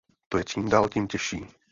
To je čím dál tím těžší.